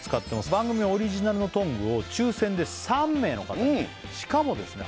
番組オリジナルのトングを抽選で３名の方にしかもですね